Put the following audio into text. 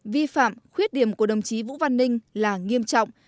vi phạm khuyết điểm của đồng chí vũ văn ninh là nghiêm trọng